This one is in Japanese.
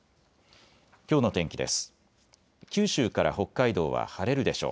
きょうの天気です。